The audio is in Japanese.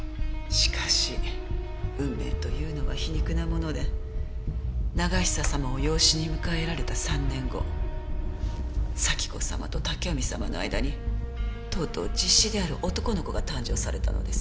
しかし運命というのは皮肉なもので永久様を養子に迎えられた３年後紗輝子様と武臣様の間にとうとう実子である男の子が誕生されたのです。